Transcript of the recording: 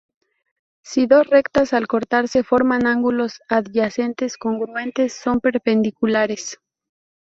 Si dos rectas al cortarse forman ángulos adyacentes congruentes, son perpendiculares.